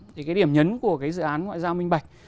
thì cái điểm nhấn của cái dự án ngoại giao minh bạch